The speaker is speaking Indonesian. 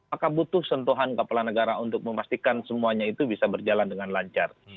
maka butuh sentuhan kepala negara untuk memastikan semuanya itu bisa berjalan dengan lancar